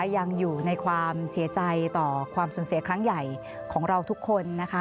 ยังอยู่ในความเสียใจต่อความสูญเสียครั้งใหญ่ของเราทุกคนนะคะ